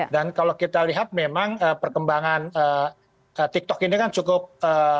dan kalau kita lihat memang perkembangan tiktok ini kan cukup ya kontroversi di dunia gitu ya